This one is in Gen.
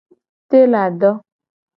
Telado.